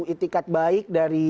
itikat baik dari